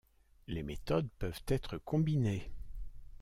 Les méthodes peuvent être combinées.